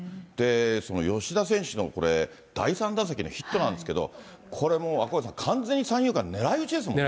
吉田選手のこれ、第３打席のヒットなんですけれども、これもう赤星さん、完全に三遊間、狙い打ちですよね。